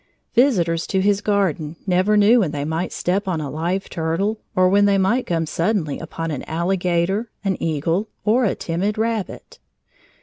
Visitors to his garden never knew when they might step on a live turtle, or when they might come suddenly upon an alligator, an eagle, or a timid rabbit.